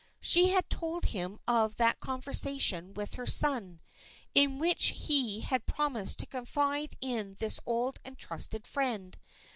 She had told him of that conversation with her son, in which he had promised to confide in this old and trusted friend.